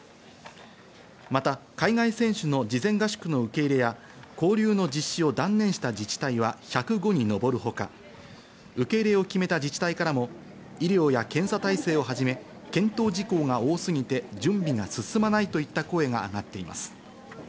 また、海外選手の事前合宿の受け入れや、交流の実施を断念した自治体は１０５に上るほか、受け入れを決めた自治体からも医療や検査体制をはじめ、検討事項が多すぎて、準備が進まないといった声が上がっています。